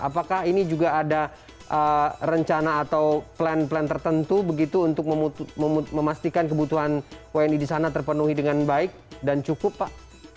apakah ini juga ada rencana atau plan plan tertentu begitu untuk memastikan kebutuhan wni di sana terpenuhi dengan baik dan cukup pak